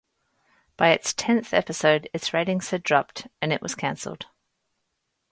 By its tenth episode, its ratings had dropped, and it was cancelled.